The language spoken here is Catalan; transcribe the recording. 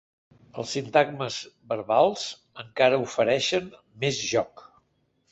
Els sintagmes verbals encara ofereixen més joc.